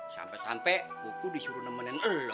sampai sampai buku disuruh nemenin uang